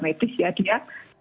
medis ya dia